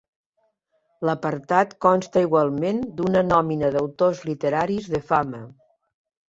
L'apartat consta igualment d'una nòmina d'autors literaris de fama.